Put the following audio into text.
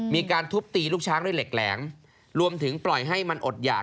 มีการทุบตีลูกช้างด้วยเหล็กแหลมรวมถึงปล่อยให้มันอดหยาก